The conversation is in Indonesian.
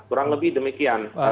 kurang lebih demikian